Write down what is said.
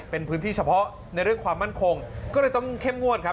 เป็นพื้นที่เฉพาะในเรื่องความมั่นคงก็เลยต้องเข้มงวดครับ